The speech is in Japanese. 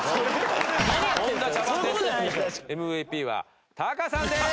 ＭＶＰはタカさんです。